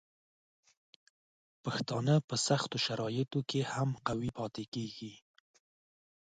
پښتانه په سختو شرایطو کې هم قوي پاتې کیږي.